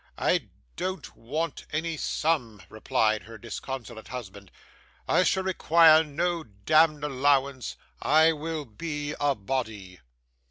'I don't want any sum,' replied her disconsolate husband; 'I shall require no demd allowance. I will be a body.